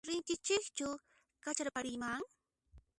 Rinkichischu kacharpariyman?